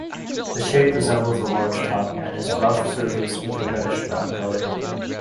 The shape resembles a large tongue, and it is rough-surfaced with a reddish-brown colour.